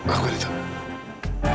aku ini tahu